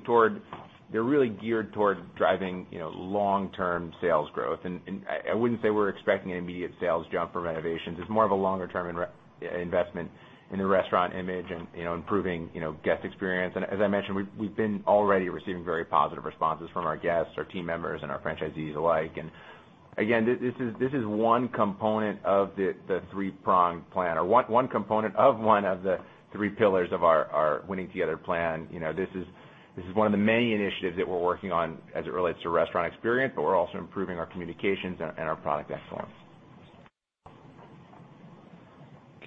geared towards driving long-term sales growth. I wouldn't say we're expecting an immediate sales jump from renovations. It's more of a longer-term investment in the restaurant image and improving guest experience. As I mentioned, we've been already receiving very positive responses from our guests, our team members, and our franchisees alike. Again, this is one component of the three-pronged plan, or one component of one of the three pillars of our Winning Together plan. This is one of the many initiatives that we're working on as it relates to restaurant experience, we're also improving our communications and our product excellence.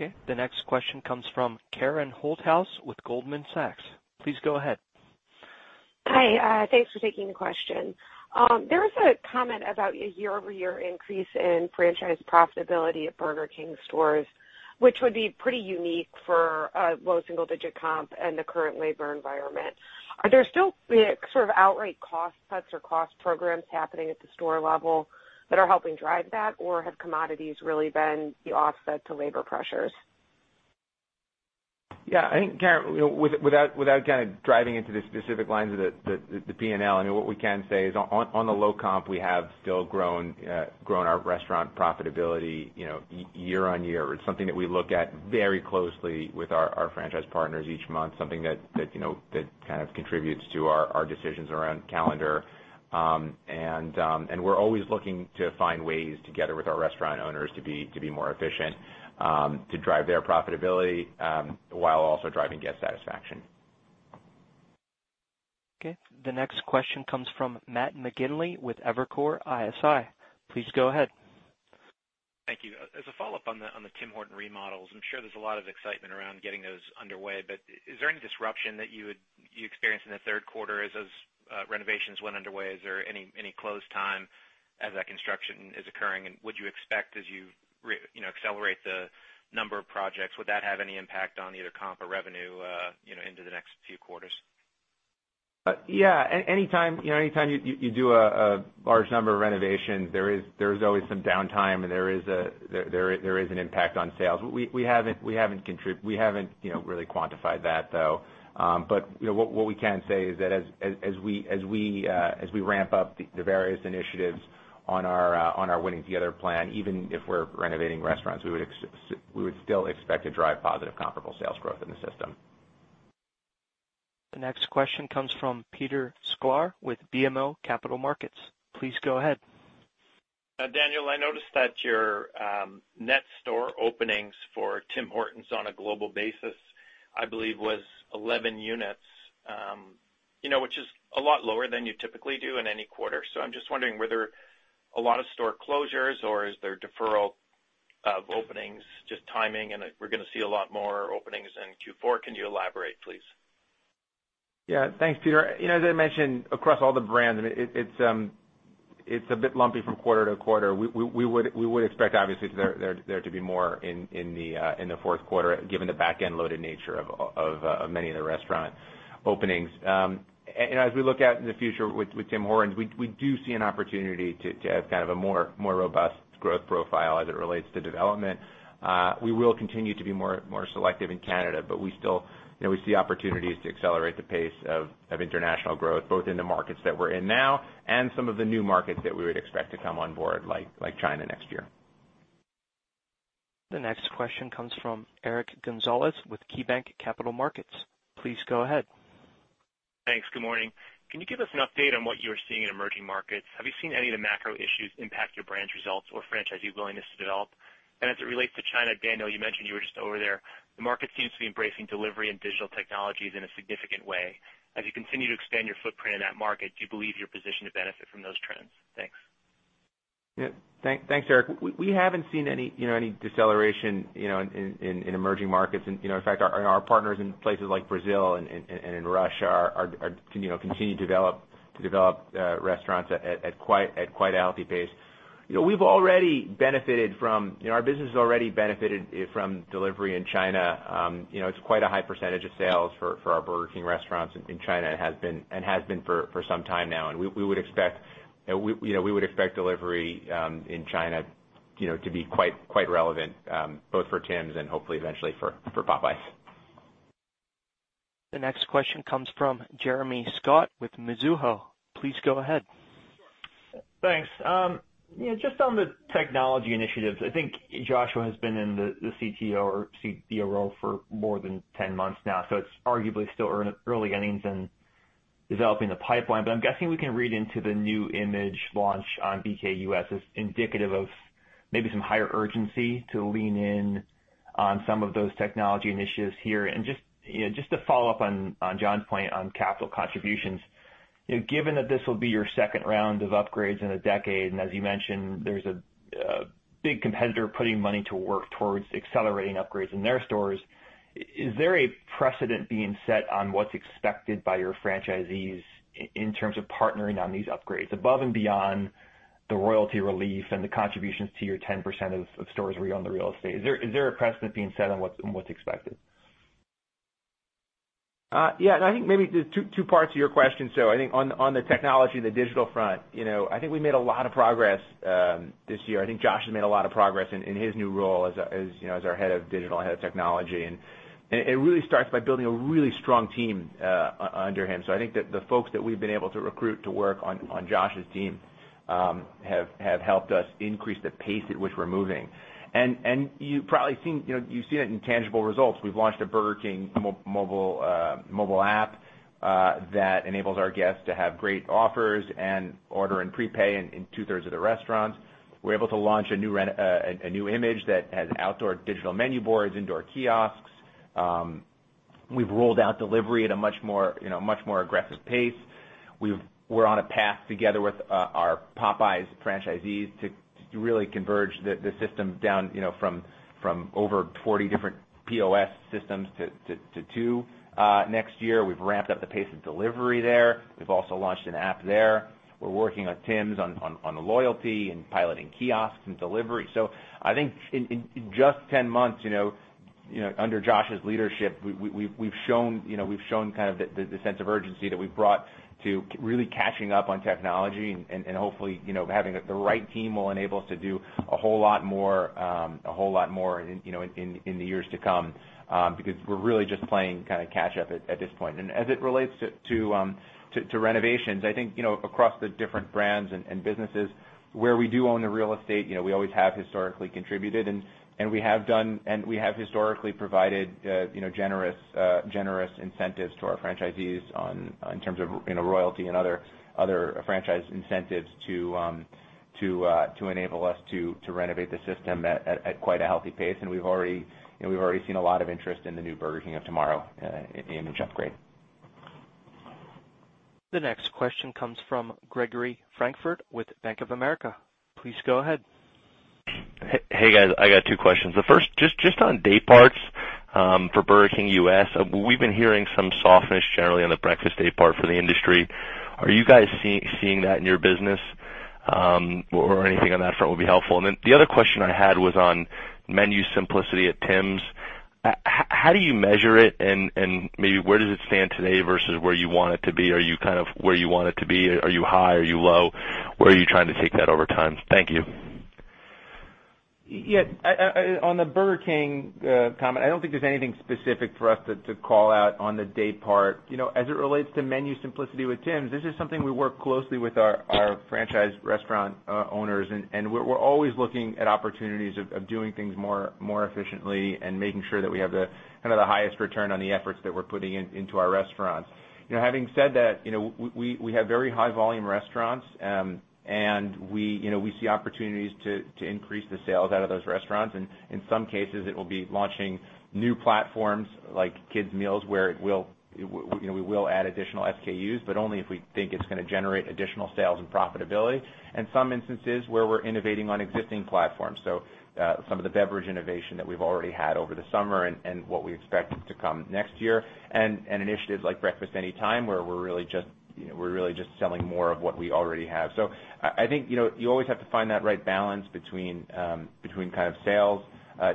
Okay. The next question comes from Karen Holthouse with Goldman Sachs. Please go ahead. Hi. Thanks for taking the question. There was a comment about a year-over-year increase in franchise profitability at Burger King stores, which would be pretty unique for a low single-digit comp and the current labor environment. Are there still sort of outright cost cuts or cost programs happening at the store level that are helping drive that? Have commodities really been the offset to labor pressures? Yeah. I think, Karen, without kind of driving into the specific lines of the P&L, what we can say is on the low comp, we have still grown our restaurant profitability year-on-year. It's something that we look at very closely with our franchise partners each month, something that kind of contributes to our decisions around calendar. We're always looking to find ways, together with our restaurant owners, to be more efficient, to drive their profitability, while also driving guest satisfaction. Okay. The next question comes from Matt McGinley with Evercore ISI. Please go ahead. Thank you. As a follow-up on the Tim Hortons remodels, I'm sure there's a lot of excitement around getting those underway, but is there any disruption that you experienced in the third quarter as those renovations went underway? Is there any close time as that construction is occurring? Would you expect, as you accelerate the number of projects, would that have any impact on either comp or revenue into the next few quarters? Yeah. Anytime you do a large number of renovations, there is always some downtime, and there is an impact on sales. We haven't really quantified that, though. What we can say is that as we ramp up the various initiatives on our Winning Together plan, even if we're renovating restaurants, we would still expect to drive positive comparable sales growth in the system. The next question comes from Peter Sklar with BMO Capital Markets. Please go ahead. Daniel, I noticed that your net store openings for Tim Hortons on a global basis, I believe, was 11 units, which is a lot lower than you typically do in any quarter. I'm just wondering, were there a lot of store closures, or is there deferral of openings, just timing, and we're going to see a lot more openings in Q4? Can you elaborate, please? Yeah. Thanks, Peter. As I mentioned, across all the brands, it's a bit lumpy from quarter to quarter. We would expect, obviously, there to be more in the fourth quarter, given the backend-loaded nature of many of the restaurant openings. As we look out in the future with Tim Hortons, we do see an opportunity to have kind of a more robust growth profile as it relates to development. We will continue to be more selective in Canada, but we still see opportunities to accelerate the pace of international growth, both in the markets that we're in now and some of the new markets that we would expect to come on board, like China next year. The next question comes from Eric Gonzalez with KeyBanc Capital Markets. Please go ahead. Thanks. Good morning. Can you give us an update on what you're seeing in emerging markets? Have you seen any of the macro issues impact your branch results or franchisee willingness to develop? As it relates to China, Dan, I know you mentioned you were just over there. The market seems to be embracing delivery and digital technologies in a significant way. As you continue to expand your footprint in that market, do you believe you're positioned to benefit from those trends? Thanks. Yeah. Thanks, Eric. We haven't seen any deceleration in emerging markets. In fact, our partners in places like Brazil and in Russia continue to develop restaurants at quite a healthy pace. Our business has already benefited from delivery in China. It's quite a high percentage of sales for our Burger King restaurants in China, and has been for some time now. We would expect delivery in China to be quite relevant, both for Tim's and hopefully eventually for Popeyes. The next question comes from Jeremy Scott with Mizuho. Please go ahead. Thanks. Just on the technology initiatives, I think Joshua has been in the CTO or CDO role for more than 10 months now, so it's arguably still early innings in developing the pipeline. I'm guessing we can read into the new image launch on BK US as indicative of maybe some higher urgency to lean in on some of those technology initiatives here. Just to follow up on John's point on capital contributions, given that this will be your second round of upgrades in a decade, and as you mentioned, there's a big competitor putting money to work towards accelerating upgrades in their stores, is there a precedent being set on what's expected by your franchisees in terms of partnering on these upgrades, above and beyond the royalty relief and the contributions to your 10% of stores where you own the real estate? Is there a precedent being set on what's expected? I think maybe there's two parts to your question. I think on the technology, the digital front, I think we made a lot of progress this year. I think Josh has made a lot of progress in his new role as our head of digital and head of technology, and it really starts by building a really strong team under him. I think that the folks that we've been able to recruit to work on Josh's team have helped us increase the pace at which we're moving. You've seen it in tangible results. We've launched a Burger King mobile app that enables our guests to have great offers and order and prepay in two-thirds of the restaurants. We're able to launch a new image that has outdoor digital menu boards, indoor kiosks. We've rolled out delivery at a much more aggressive pace. We're on a path together with our Popeyes franchisees to really converge the system down from over 40 different POS systems to two next year. We've ramped up the pace of delivery there. We've also launched an app there. We're working on Tim's on the loyalty and piloting kiosks and delivery. I think in just 10 months under Josh's leadership, we've shown the sense of urgency that we've brought to really catching up on technology and hopefully, having the right team will enable us to do a whole lot more in the years to come, because we're really just playing kind of catch up at this point. As it relates to renovations, I think, across the different brands and businesses where we do own the real estate, we always have historically contributed, we have historically provided generous incentives to our franchisees in terms of royalty and other franchise incentives to enable us to renovate the system at quite a healthy pace. We've already seen a lot of interest in the new Burger King of Tomorrow image upgrade. The next question comes from Gregory Francfort with Bank of America. Please go ahead. Hey, guys. I got two questions. The first, just on day parts for Burger King U.S., we've been hearing some softness generally on the breakfast day part for the industry. Are you guys seeing that in your business? Anything on that front would be helpful. The other question I had was on menu simplicity at Tim's. How do you measure it, and maybe where does it stand today versus where you want it to be? Are you kind of where you want it to be? Are you high? Are you low? Where are you trying to take that over time? Thank you. Yeah. On the Burger King comment, I don't think there's anything specific for us to call out on the day part. As it relates to menu simplicity with Tim's, this is something we work closely with our franchise restaurant owners, and we're always looking at opportunities of doing things more efficiently and making sure that we have the highest return on the efforts that we're putting into our restaurants. Having said that, we have very high volume restaurants, and we see opportunities to increase the sales out of those restaurants, and in some cases, it will be launching new platforms like kids meals, where we will add additional SKUs, but only if we think it's going to generate additional sales and profitability. In some instances, where we're innovating on existing platforms, some of the beverage innovation that we've already had over the summer and what we expect to come next year, and initiatives like Breakfast Anytime, where we're really just selling more of what we already have. I think you always have to find that right balance between sales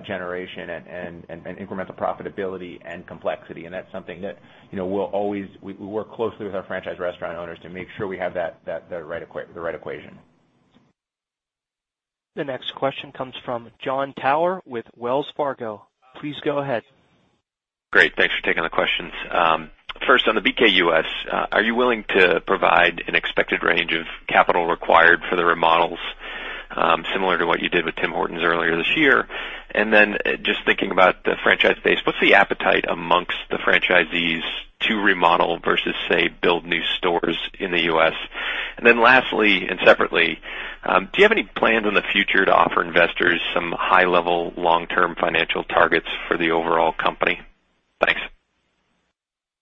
generation and incremental profitability and complexity, and that's something that we work closely with our franchise restaurant owners to make sure we have the right equation. The next question comes from Jon Tower with Wells Fargo. Please go ahead. Great. Thanks for taking the questions. First, on the BK US, are you willing to provide an expected range of capital required for the remodels, similar to what you did with Tim Hortons earlier this year? Just thinking about the franchise base, what's the appetite amongst the franchisees to remodel versus, say, build new stores in the U.S.? Lastly, and separately, do you have any plans in the future to offer investors some high-level, long-term financial targets for the overall company? Thanks.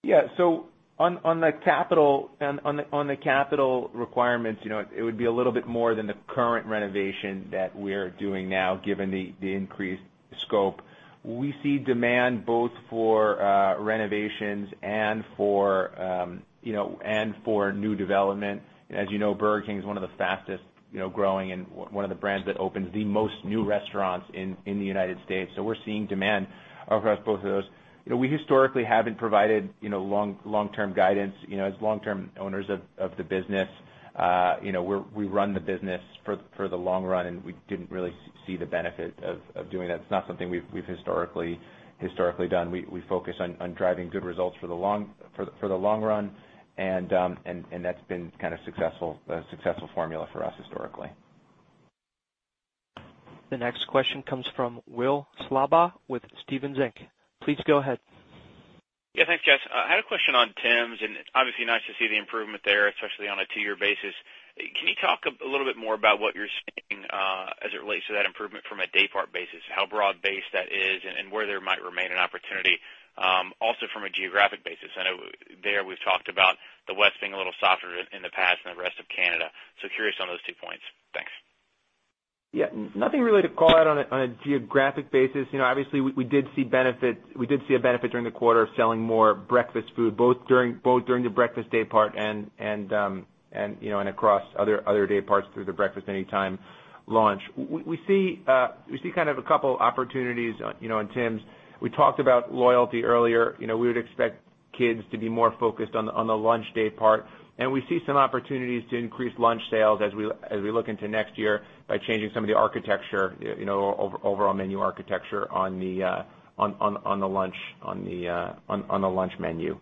Yeah. On the capital requirements, it would be a little bit more than the current renovation that we're doing now, given the increased scope. We see demand both for renovations and for new development. As you know, Burger King is one of the fastest growing and one of the brands that opens the most new restaurants in the United States, so we're seeing demand across both of those. We historically haven't provided long-term guidance. As long-term owners of the business, we run the business for the long run, and we didn't really see the benefit of doing that. It's not something we've historically done. We focus on driving good results for the long run, and that's been a successful formula for us historically. The next question comes from Will Slabaugh with Stephens Inc.. Please go ahead. Yeah. Thanks, guys. I had a question on Tim's, and it's obviously nice to see the improvement there, especially on a two-year basis. Can you talk a little bit more about what you're seeing, as it relates to that improvement from a day-part basis, how broad-based that is, and where there might remain an opportunity? Also from a geographic basis. I know there we've talked about the West being a little softer in the past than the rest of Canada. Curious on those two points. Thanks. Yeah. Nothing really to call out on a geographic basis. Obviously, we did see a benefit during the quarter of selling more breakfast food, both during the breakfast day part and across other day parts through the Breakfast Anytime launch. We see kind of a couple opportunities in Tim's. We talked about loyalty earlier. We would expect kids to be more focused on the lunch day part, and we see some opportunities to increase lunch sales as we look into next year by changing some of the overall menu architecture on the lunch menu.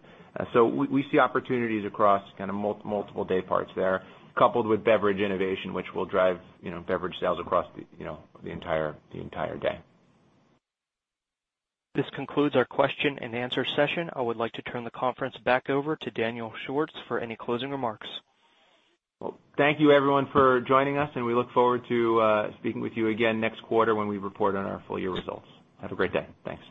We see opportunities across kind of multiple day parts there, coupled with beverage innovation, which will drive beverage sales across the entire day. This concludes our question and answer session. I would like to turn the conference back over to Daniel Schwartz for any closing remarks. Well, thank you, everyone, for joining us, and we look forward to speaking with you again next quarter when we report on our full-year results. Have a great day. Thanks.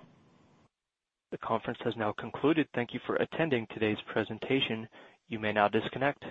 The conference has now concluded. Thank you for attending today's presentation. You may now disconnect.